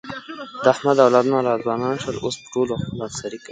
د احمد اولادونه را ځوانان شول، اوس په ټولو خپله افسري کوي.